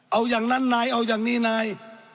เอาอย่างนั้นไหนเอาอย่างนี้ไหน